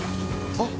・あっ！！